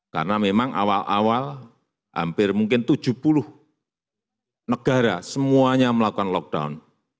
karena memang awal awal hampir mungkin tujuh puluh negara semuanya melakukan lockdown